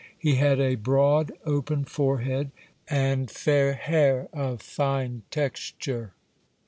He had a broad, open forehead and fair hair of fine texture.